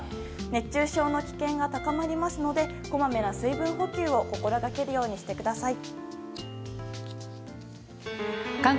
熱中症の危険が高まりますのでこまめな水分補給を心がけるようにしてください。